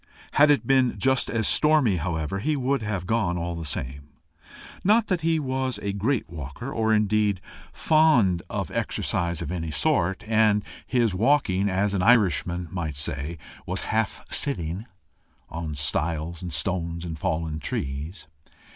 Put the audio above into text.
Had it been just as stormy, however, he would have gone all the same. Not that he was a great walker, or, indeed, fond of exercise of any sort, and his walking, as an Irishman might say, was half sitting on stiles and stones and fallen trees.